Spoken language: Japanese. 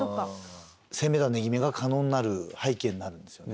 攻めた値決めが可能になる背景になるんですよね。